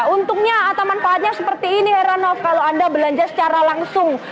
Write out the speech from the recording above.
untungnya atau manfaatnya seperti ini heranov kalau anda belanja secara langsung